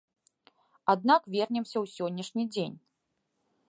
Аднак вернемся ў сённяшні дзень.